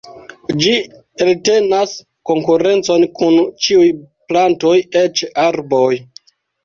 Ĝi eltenas konkurencon kun ĉiuj plantoj eĉ arboj.